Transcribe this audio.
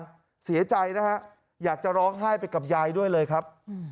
เสียใจนะฮะอยากจะร้องไห้ไปกับยายด้วยเลยครับ